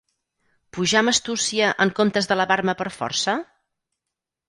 Pujar amb astúcia en comptes d’elevar-me per força?